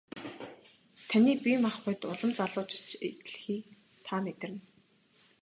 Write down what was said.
Таны бие махбод улам залуужиж эхлэхийг та мэдэрнэ.